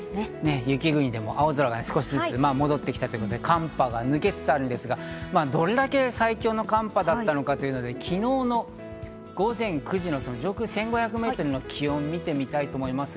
雪国でも青空が少しずつ戻ってきたということで、寒波が抜けつつあるんですが、どれだけ最強の寒波だったかということで、昨日の午前９時の上空１５００メートルの気温を見てみたいと思います。